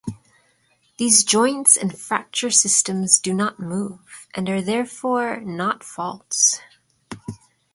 These joints and fracture systems do not move, and are therefore not faults.